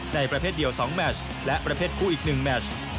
ประเภทเดียว๒แมชและประเภทคู่อีก๑แมช